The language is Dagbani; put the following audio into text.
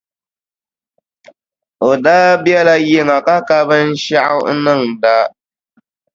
O daa biɛla yiŋa ka ka binshɛɣu n-niŋda.